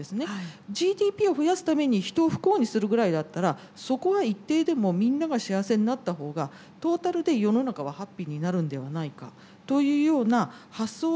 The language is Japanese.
ＧＤＰを増やすために人を不幸にするぐらいだったらそこは一定でもみんなが幸せになった方がトータルで世の中はハッピーになるんではないかというような発想を切り替えるということ。